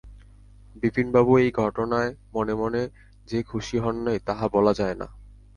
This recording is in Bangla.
বিপিনবাবু এই ঘটনায় মনে মনে যে খুশি হন নাই তাহা বলা যায় না।